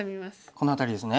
この辺りですね。